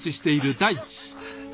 大地！